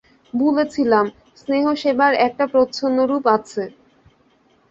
ভুলেছিলাম, স্নেহসেবার একটা প্রচ্ছন্ন রূপ আছে।